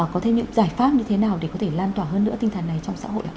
có thêm những giải pháp như thế nào để có thể lan tỏa hơn nữa tinh thần này trong xã hội ạ